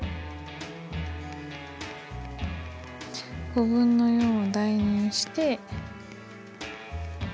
５分の４を代入して。